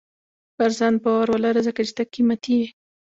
• پر ځان باور ولره، ځکه چې ته قیمتي یې.